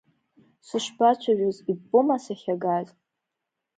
Сышбацәажәоз, иббома сахьагаз!